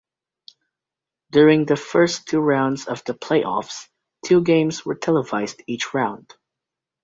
During the first two rounds of the playoffs, two games were televised each round.